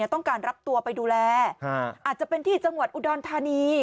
ต้องการรับตัวไปดูแลอาจจะเป็นที่จังหวัดอุดรธานี